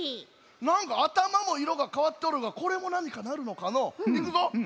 なんかあたまもいろがかわっとるがこれもなにかなるのかのう？いくぞ。